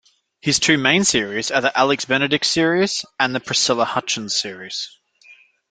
His two main series are the Alex Benedict series and the Priscilla Hutchins series.